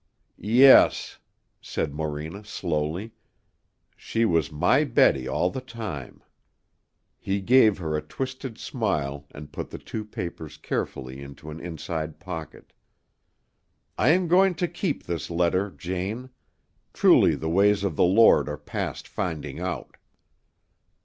"Yes," said Morena slowly. "She was my Betty all the time." He gave her a twisted smile and put the two papers carefully into an inside pocket. "I am going to keep this letter, Jane. Truly the ways of the Lord are past finding out."